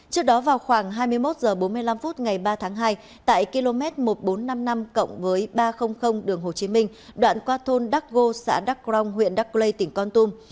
trước đó vào khoảng hai mươi một h bốn mươi năm ngày ba tháng hai tại km một nghìn bốn trăm năm mươi năm cộng với ba trăm linh đường hồ chí minh đoạn qua thôn đắk gô xã đắk grong huyện đắk lê tỉnh con tum